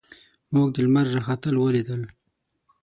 موږ د لمر راختل ولیدل.